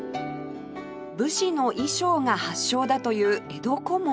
武士の衣装が発祥だという江戸小紋